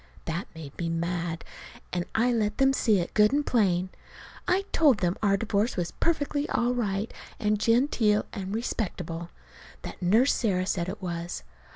That made me mad, and I let them see it, good and plain. I told them our divorce was perfectly all right and genteel and respectable; that Nurse Sarah said it was.